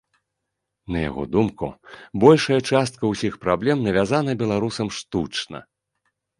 На яго думку, большая частка ўсіх праблем навязана беларусам штучна.